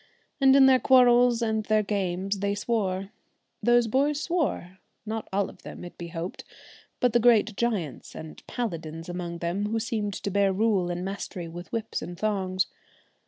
And in their quarrels and their games, they swore those boys swore; not all of them be it hoped, but the great giants and paladins among them who seemed to bear rule and mastery with whips and thongs.